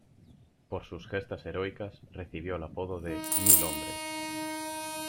Por sus gestas heroicas recibió el apodo de "Mil hombres".